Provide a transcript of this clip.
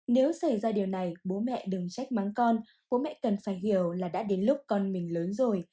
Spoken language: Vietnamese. nếu xảy ra điều này bố mẹ đừng trách mắng con bố mẹ cần phải hiểu là đã đến lúc con mình lớn rồi